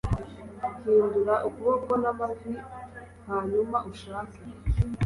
Hindura ukuboko namavi hanyuma ushake